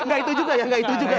gak itu juga ya gak itu juga